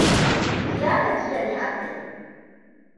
Tiyatan jiya ne aka yi.